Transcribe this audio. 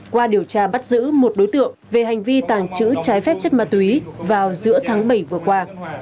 qua điều tra bắt giữ một đối tượng về hành vi tàng trữ trái phép chất ma túy vào giữa tháng bảy vừa qua